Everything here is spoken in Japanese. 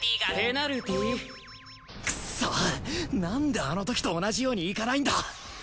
なんであのときと同じようにいかないんだ。